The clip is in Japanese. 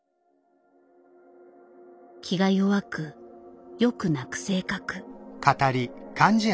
気が弱くよく泣く性格。